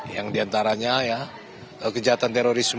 yang diantaranya ya kejahatan terorisme